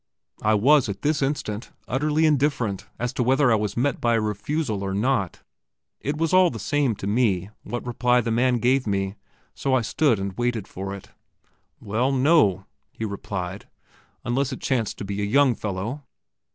I was at this instant utterly indifferent as to whether I was met by a refusal or not; it was all the same to me what reply the man gave me, so I stood and waited for it. "Well, no," he replied; "unless it chanced to be a young fellow."